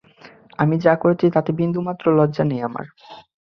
আমি যা করেছি তাতে বিন্দুমাত্র লজ্জা নেই আমার!